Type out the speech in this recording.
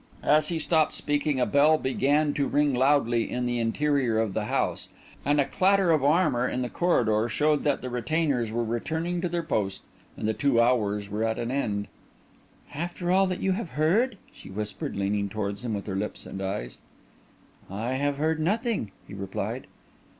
As he stopped speaking, a bell began to ring loudly in the interior of the house; and a clatter of armour in the corridor showed that the retainers were returning to their post, and the two hours were at an end. "After all that you have heard?" she whispered, leaning towards him with her lips and eyes. "I have heard nothing," he replied.